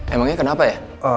emangnya kenapa ya